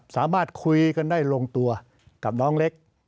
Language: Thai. สามารถคุยกันได้ลงตัวกับน้องเล็ก